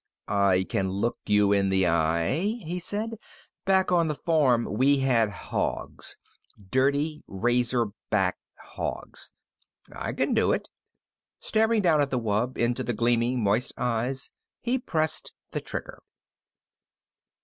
"I can look you in the eye," he said. "Back on the farm we had hogs, dirty razor back hogs. I can do it." Staring down at the wub, into the gleaming, moist eyes, he pressed the trigger.